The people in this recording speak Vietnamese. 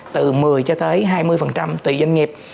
từ một mươi cho tới hai mươi tùy doanh nghiệp